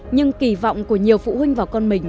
nhưng kỳ vọng của nhiều phụ huynh vào con mình